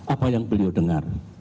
apa yang beliau dengar